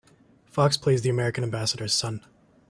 Fox plays the American ambassador's son.